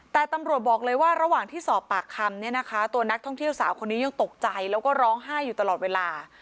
แต่ตำรวจบอกเลยว่าระหว่างที่สอบปากคำเนี่ยนะคะตัวนักท่องเที่ยวสาวคนนี้ยังตกใจแล้วก็ร้องไห้อยู่ตลอดเวลา